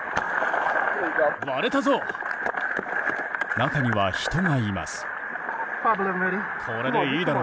中には人がいます。